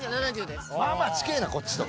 まあまあ近えなこっちと。